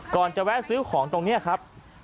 จะแวะซื้อของตรงนี้ครับ